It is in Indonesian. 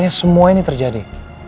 akhirnya semua ini terjadi